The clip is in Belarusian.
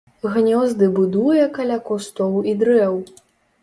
Гнёзды будуе каля кустоў і дрэў.